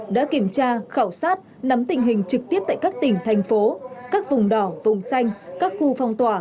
đã kiểm tra khảo sát nắm tình hình trực tiếp tại các tỉnh thành phố các vùng đỏ vùng xanh các khu phong tỏa